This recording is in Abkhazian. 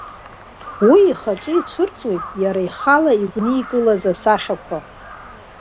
Уи ихаҿы иаацәырҵит иара ихала игәникылаз асахьақәа…